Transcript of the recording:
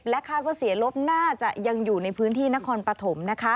คาดว่าเสียลบน่าจะยังอยู่ในพื้นที่นครปฐมนะคะ